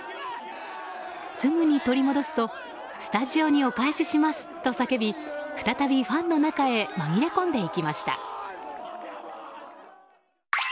すぐに取り戻すとスタジオにお返ししますと叫び再びファンの中へ紛れ込んでいきました。